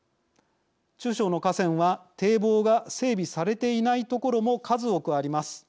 中小の河川は堤防が整備されていない所も数多くあります。